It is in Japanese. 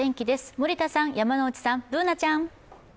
森田さん、山内さん、Ｂｏｏｎａちゃん。